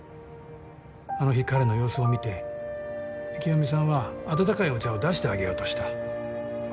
あの日彼の様子を見て清美さんは温かいお茶を出してあげようとした。